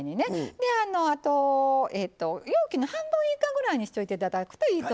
であと容器の半分以下ぐらいにしといて頂くといいと思います。